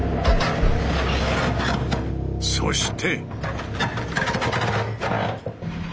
そして。